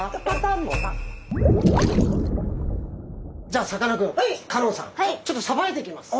じゃあさかなクン香音さんちょっとさばいていきます。